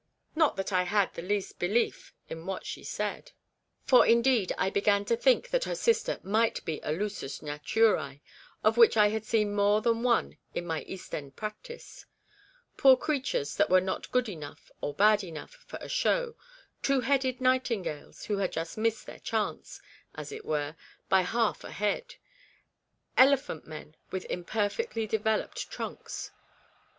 Not that I had the least belief in what she said; for, indeed, I began to think that her 206 REBECCA'S REMORSE. sister might be a lusus naturce, of which I had seen more than one in my East End practice. Poor creatures that were not good enough, or bad enough, for a show ; two headed nightin gales who had just missed their chance, as it were, by half a head; elephant men with im perfectly developed trunks.